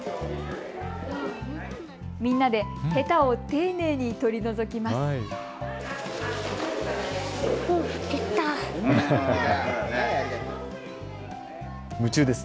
みんなで、へたを丁寧に取り除きます。